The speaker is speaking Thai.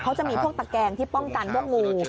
เขาจะมีพวกตะแกงที่ป้องกันพวกงู